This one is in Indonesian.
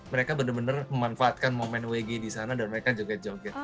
mereka benar benar memanfaatkan momen wg di sana dan mereka juga joget